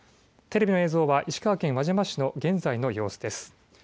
テレビの映像は石川県輪島市の現在の様子です。